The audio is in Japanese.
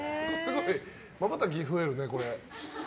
まばたき増えるね、これ。